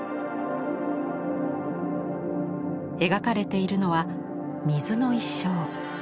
描かれているのは水の一生。